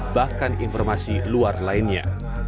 bahkan informasi luar lainnya